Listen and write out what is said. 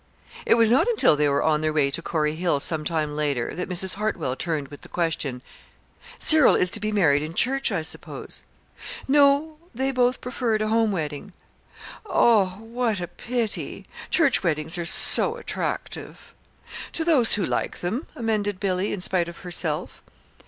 It was not until they were on their way to Corey Hill some time later that Mrs. Hartwell turned with the question: "Cyril is to be married in church, I suppose?" "No. They both preferred a home wedding." "Oh, what a pity! Church weddings are so attractive!" "To those who like them," amended Billy in spite of herself.